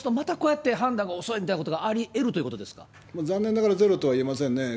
そうするとまたこうやって判断が遅いみたいなことがありえるとい残念ながらゼロとは言えませんね。